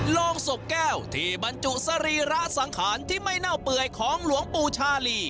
โรงศพแก้วที่บรรจุสรีระสังขารที่ไม่เน่าเปื่อยของหลวงปู่ชาลี